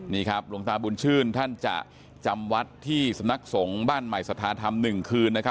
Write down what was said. นี่ครับหลวงตาบุญชื่นท่านจะจำวัดที่สำนักสงฆ์บ้านใหม่สัทธาธรรม๑คืน